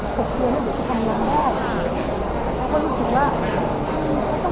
จะพักผ่อนอยู่ที่บ้านหรือว่าขอให้พัก๑๐เดือน